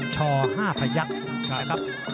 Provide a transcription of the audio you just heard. ช่อ๕พระยักษ์